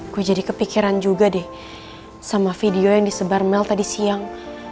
gue jadi kepikiran juga deh sama video yang disebar mel tadi siang